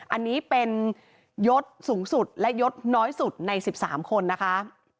อันนี้เป็นยศสูงสุดและยศน้อยสุดใน๑๓คนนะคะ